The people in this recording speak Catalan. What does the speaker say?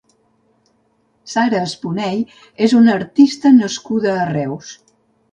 Sara Esponey és una artista nascuda a Reus.